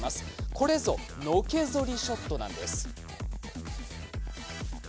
これぞのけぞりショットです。